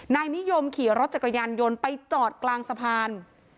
นายนิยมขี่รถจักรยานยนต์ไปจอดกลางสะพาน